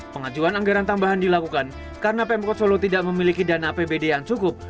pengajuan anggaran tambahan dilakukan karena pemkot solo tidak memiliki dana apbd yang cukup